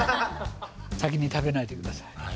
先に食べないでください